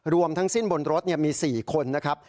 รวมทั้งสิ้นบนรถมี๔คนนะครับ